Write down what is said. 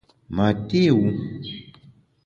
Ma té wu !